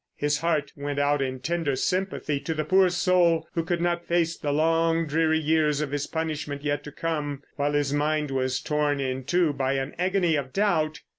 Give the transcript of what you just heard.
His heart went out in tender sympathy to the poor soul who could not face the long dreary years of his punishment yet to come, while his mind was torn in two by an agony of doubt.